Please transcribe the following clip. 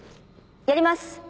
やります。